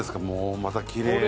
またきれいな。